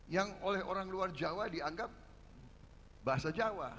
yang oleh orang luar jawa dianggap bahasa jawa